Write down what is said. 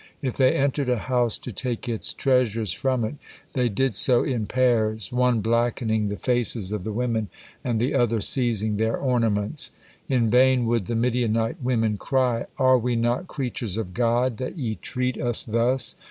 If they entered a house to take its treasures from it, they did so in pairs, one blackening the faces of the women, and the other seizing their ornaments. In vain would the Midianite women cry, "Are we not creatures of God, that ye treat us thus?"